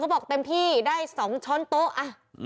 บอกเต็มที่ได้๒ช้อนโต๊ะอ่ะ